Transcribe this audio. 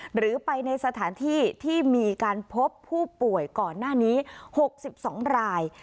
หรือไปในสถานที่ที่มีการพบผู้ป่วยก่อนหน้านี้๖๒ราย